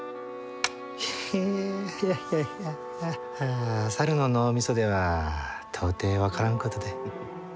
ヘヘッいやいや猿の脳みそでは到底分からんことで。